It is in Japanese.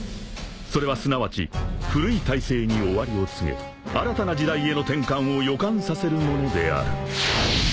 ［それはすなわち古い体制に終わりを告げ新たな時代への転換を予感させるものである］